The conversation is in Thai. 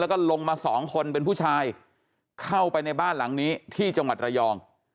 แล้วก็ลงมาสองคนเป็นผู้ชายเข้าไปในบ้านหลังนี้ที่จังหวัดระยอง